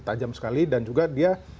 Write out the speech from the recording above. tajam sekali dan juga dia